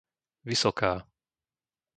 Vysoká